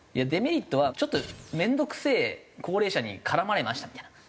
デメリットはちょっと面倒くせえ高齢者に絡まれましたみたいな。